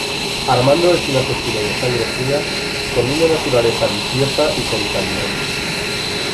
Armando es un asesino de sangre fría con una naturaleza viciosa y contaminante.